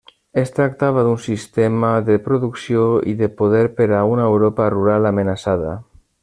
Es tractava d'un sistema de producció i de poder per a una Europa rural amenaçada.